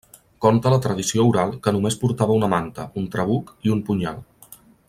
Conta la tradició oral que només portava una manta, un trabuc i un punyal.